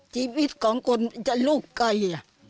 ชีวิตของคนจะลูกไกล